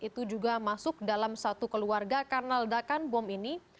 itu juga masuk dalam satu keluarga karena ledakan bom ini